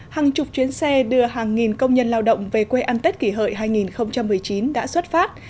hàng chục chuyến xe đưa hàng nghìn công nhân lao động về quê ăn tết kỷ hợi hai nghìn một mươi chín đã xuất phát